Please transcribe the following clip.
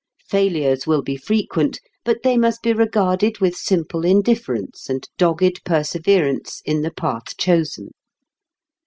Failures will be frequent, but they must be regarded with simple indifference and dogged perseverance in the path chosen.